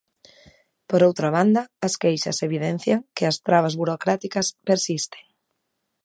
Por outra banda, as queixan evidencian que as trabas burocráticas persisten.